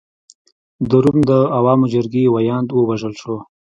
د روم د عوامو جرګې ویاند ووژل شو.